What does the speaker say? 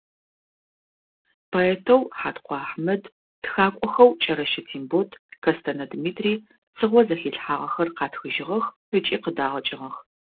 Поэтэу Хьаткъо Ахьмэд, тхакӀохэу КӀэрэщэ Тембот, Кэстэнэ Дмитрий Цыгъо зэхилъхьагъэхэр къатхыжьыгъэх ыкӀи къыдагъэкӀыгъэх.